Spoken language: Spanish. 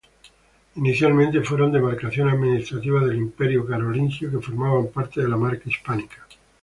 Inicialmente, fueron demarcaciones administrativas del Imperio carolingio que formaban parte de la Marca Hispánica.